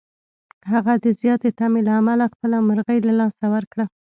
هغه د زیاتې تمې له امله خپله مرغۍ له لاسه ورکړه.